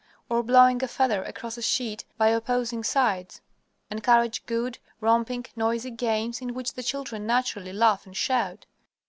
Or blowing a feather across a sheet by opposing sides. Encourage good, romping, noisy games in which the children naturally laugh and shout.